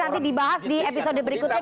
nanti dibahas di episode berikutnya